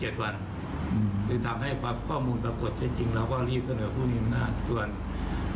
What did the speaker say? หรือทำให้ข้อมูลปรากฏให้จริงแล้วก็รีดเสนอผู้นี้มาก